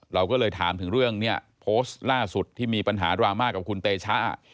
เราก็เลยถามถึงเรื่องเนี่ยโพสต์ล่าสุดที่มีปัญหาดราม่ากับคุณเตชะ